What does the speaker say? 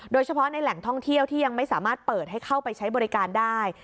โดยเฉพาะในแหล่งท่องเที่ยวที่ยังไม่สามารถเปิดให้เข้าไปใช้บริการได้